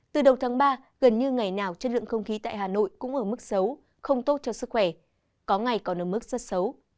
từ đầu tháng ba gần như ngày nào chất lượng không khí tại hà nội cũng ở mức xấu không tốt cho sức khỏe có ngày còn ở mức rất xấu